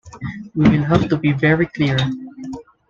We will have to be very clear.